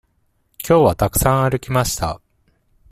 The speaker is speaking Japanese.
きょうはたくさん歩きました。